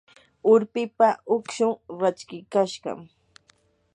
urpipa ukshun rachikashqam.